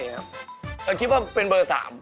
แต่คิดว่าเป็นเบอร์๓